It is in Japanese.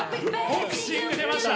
ボクシング出ました！